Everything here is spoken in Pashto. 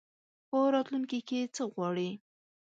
په راتلونکي کي څه غواړې ؟